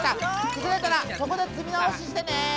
くずれたらそこでつみなおししてね。